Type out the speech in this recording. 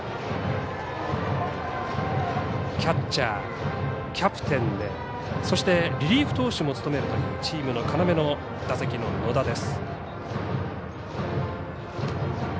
キャッチャー、キャプテンでそしてリリーフ投手も務めるというチームの要の打席の野田。